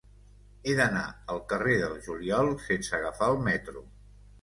He d'anar al carrer del Juliol sense agafar el metro.